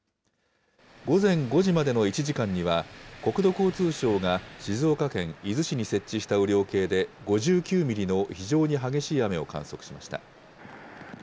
午前５時までの１時間には、国土交通省が静岡県伊豆市に設置した雨量計で、５９ミリの非常に激しい雨を観測しました。